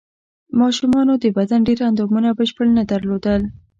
ماشومانو د بدن ډېر اندامونه بشپړ نه درلودل.